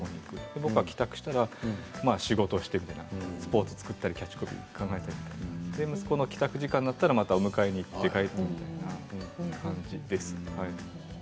僕が帰宅したら仕事をしてみたいなスポーツを作ったりキャッチコピーを考えたり息子の帰宅時間になったらお迎えに行って帰ってくるという感じです。